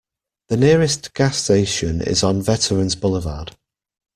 The nearest gas station is on Veterans Boulevard.